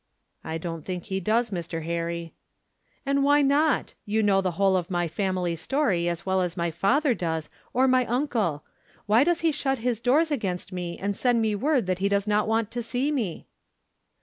"I don't think he does, Mr. Harry." "And why not? You know the whole of my family story as well as my father does, or my uncle. Why does he shut his doors against me, and send me word that he does not want to see me?"